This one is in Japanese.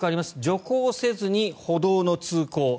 徐行をせずに歩道の通行。